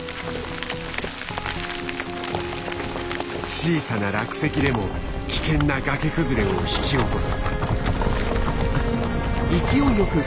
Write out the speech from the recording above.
小さな落石でも危険な崖崩れを引き起こす。